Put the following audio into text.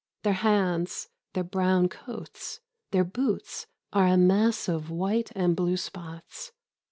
Their hands, their brown coats, their boots are a mass of white and blue spots.